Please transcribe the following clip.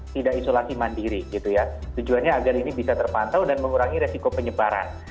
tidak isolasi mandiri gitu ya tujuannya agar ini bisa terpantau dan mengurangi resiko penyebaran